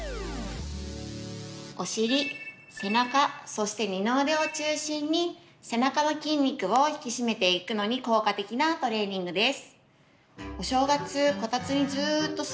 お尻、背中そして二の腕を中心に背中の筋肉を引き締めていくのに効果的なトレーニングです。